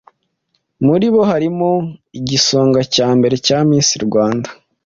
Muri bo harimo igisonga cya mbere cya Miss Rwanda